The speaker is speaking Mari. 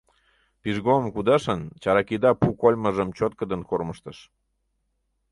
Пижгомым кудашын, чаракида пу кольмыжым чоткыдын кормыжтыш.